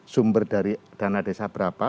sumber dari dana desa berapa